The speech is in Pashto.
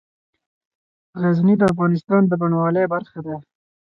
غزني د افغانستان د بڼوالۍ برخه ده.